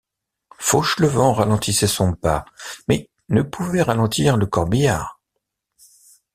Fauchelevent ralentissait son pas, mais ne pouvait ralentir le corbillard.